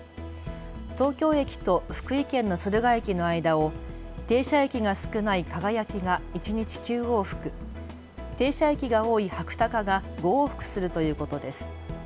東京駅と福井県の敦賀駅の間を停車駅が少ないかがやきが一日９往復、停車駅が多いはくたかが５往復するということです。